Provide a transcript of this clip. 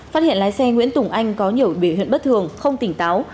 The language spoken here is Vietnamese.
phát hiện lái xe nguyễn tùng anh có nhiều biểu hiện bất thường không tỉnh táo